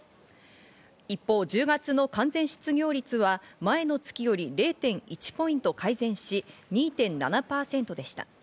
一方、１０月の完全失業率は前の月より０．１ポイント改善し、２．７％でした。